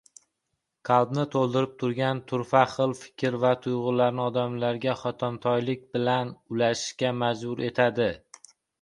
qalbini toʻldirib turgan turfa xil fikr va tuygʻularni odamlarga hotamtoylik bilan ulashishga majbur etadi.